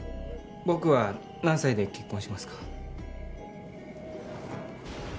僕は何歳で結婚しますか？